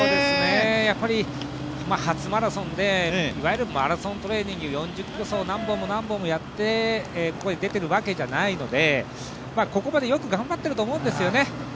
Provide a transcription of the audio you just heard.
やっぱり初マラソンでいわゆるマラソントレーニング４０ｋｍ走を何本も何本もやって出てるわけじゃないのでここまでよく頑張ってると思うんですよね。